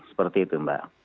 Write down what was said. seperti itu mbak